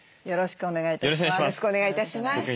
よろしくお願いします。